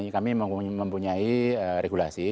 kami mempunyai regulasi